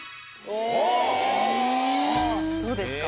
おっどうですか？